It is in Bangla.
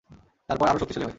তারপর, আরও শক্তিশালী হয়।